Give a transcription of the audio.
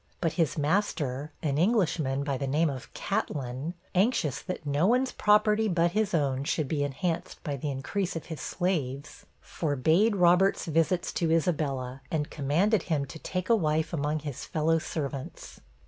But his master, an Englishman by the name of Catlin, anxious that no one's property but his own should be enhanced by the increase of his slaves, forbade Robert's visits to Isabella, and commanded him to take a wife among his fellow servants.